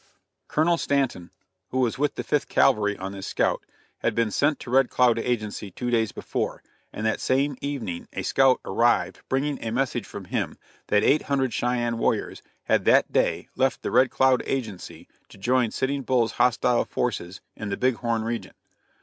Colonel Stanton, who was with the Fifth Cavalry on this scout, had been sent to Red Cloud agency two days before, and that same evening a scout arrived bringing a message from him that eight hundred Cheyenne warriors had that day left the Red Cloud agency to join Sitting Bull's hostile forces in the Big Horn region.